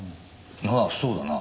ああそうだな。